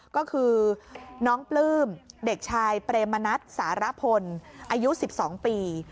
ก็คือน้องปลื้มเด็กชายเปรมณัฐสารพลอายุ๑๒ปี